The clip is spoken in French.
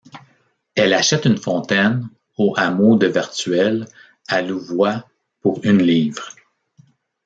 Elle achète une fontaine, au hameau de Vertuelle, à Louvois, pour une livre.